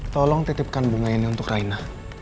tolong titipkan bunga ini untuk raina